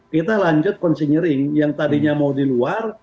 kita lanjut konsenering yang tadinya mau di luar